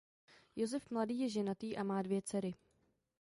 Josef Mladý je ženatý a má dvě dcery.